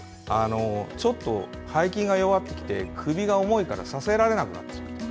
ちょっと背筋が弱ってきて首が重いから支えられなくなってきている。